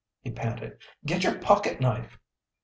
he panted. "Get your pocket knife!"